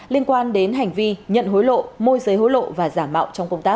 liên quan đến hành vi nhận hối lộ môi giới hối lộ và giả mạo trong công tác